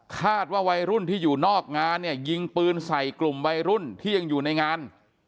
คาดว่าวัยรุ่นที่อยู่นอกงานเนี่ยยิงปืนใส่กลุ่มวัยรุ่นที่ยังอยู่ในงาน